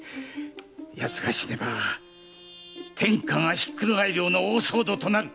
奴が死ねば天下がひっくり返る大騒動となる！